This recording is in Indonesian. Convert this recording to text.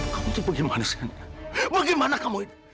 kamu tuh bagaimana sen bagaimana kamu ini